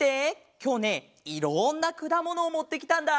きょうねいろんなくだものをもってきたんだ！